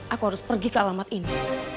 aku harus pergi ke alamat ini